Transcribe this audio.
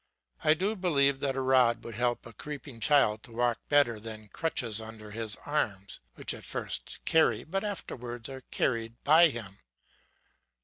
I do believe that a rod would help a creeping child to walk better than crutches under his arms, which at first carry, but afterwards are carried by him.